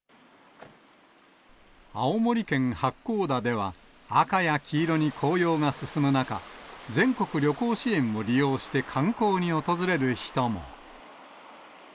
青森県八甲田では、赤や黄色に紅葉が進む中、全国旅行支援を利用して観光に訪れる人も。